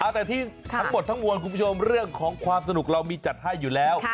แต่ที่ทั้งหมดทั้งมวลคุณผู้ชมเรื่องของความสนุกเรามีจัดให้อยู่แล้ว